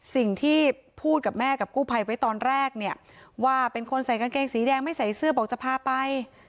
สิ่งที่พูดกับแม่กับกู้ภัยไว้ตอนแรกเนี่ยว่าเป็นคนใส่กางเกงสีแดงไม่ใส่เสื้อบอกจะพาไป